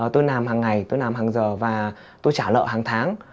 tôi làm hàng ngày tôi làm hàng giờ và tôi trả lợi hàng tháng